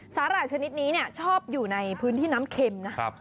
หร่ายชนิดนี้ชอบอยู่ในพื้นที่น้ำเค็มนะ